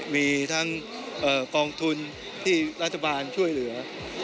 มีทั้งกองทุนที่รัฐบาลช่วยเหลือ